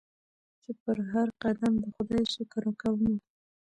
چي پر هرقدم د خدای شکر کومه